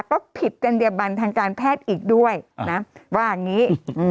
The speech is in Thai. ก็ผิดกันเดียวกับทางการแพทย์อีกด้วยว่าอย่างนี้